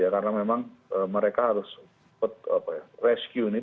karena memang mereka harus